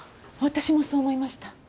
あっ私もそう思いました。